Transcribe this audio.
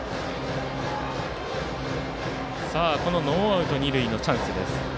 ノーアウト二塁のチャンスです。